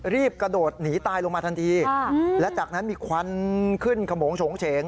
รีบกระโดดหนีตายลงมาทันทีและจากนั้นมีควันขึ้นขมงโฉงเฉง